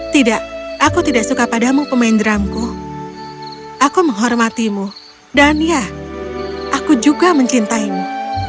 tidak aku tidak suka padamu pemain drumku aku menghormatimu dan ya aku juga mencintaimu